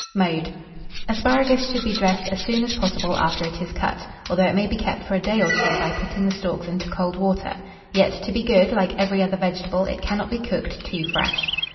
] Mode. Asparagus should be dressed as soon as possible after it is cut, although it may be kept for a day or two by putting the stalks into cold water; yet, to be good, like every other vegetable, it cannot be cooked too fresh.